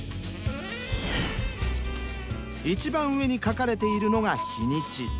一番上に書かれているのが日にち。